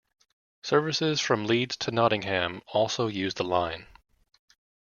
Services from Leeds to Nottingham also use the line.